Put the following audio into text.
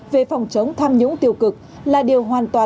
về phòng chống tham nhũng tiêu cực là điều hoàn toàn cần phải